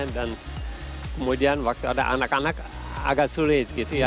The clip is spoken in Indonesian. dan kemudian waktu ada anak anak agak sulit gitu ya